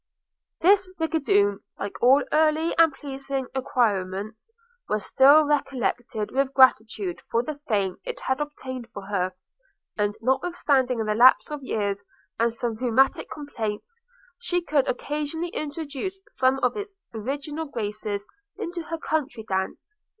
This rigadoon, like all early and pleasing acquirements, was still recollected with gratitude for the fame it had obtained for her; and notwithstanding the lapse of years, and some rheumatic complaints, she could occasionally introduce some of its original graces into her country dance.